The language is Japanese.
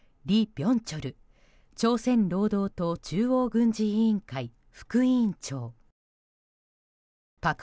ビョンチョル朝鮮労働党中央軍事委員会副委員長パク・